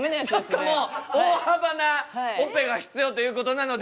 ちょっともう大幅なオペが必要ということなので。